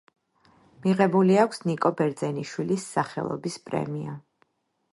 მიღებული აქვს ნიკო ბერძენიშვილის სახელობის პრემია.